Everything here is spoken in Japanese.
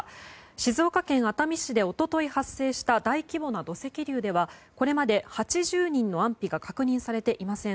静岡県熱海市で一昨日発生した大規模な土石流ではこれまで８０人の安否が確認されていません。